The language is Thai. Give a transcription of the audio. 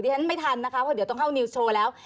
ฉันไม่ทันนะคะเพราะเดี๋ยวต้องเข้านิวส์โชว์แล้ว